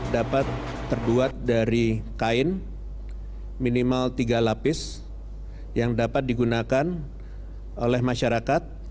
dapat terbuat dari kain minimal tiga lapis yang dapat digunakan oleh masyarakat